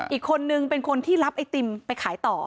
อีกคนนึงเป็นคนที่รับไอติมไปขายต่อ